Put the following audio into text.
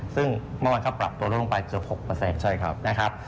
ซึ่งเมื่อวานก็ปรับตัวลงไปเจอ๖นะครับ